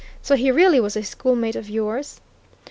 So he really was a schoolmate of yours?"